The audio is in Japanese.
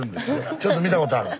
ちょっと見たことある？